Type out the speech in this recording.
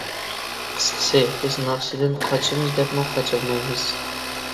قىسقىسى، بىز ناخشىدىن قاچىمىز دەپمۇ قاچالمايمىز.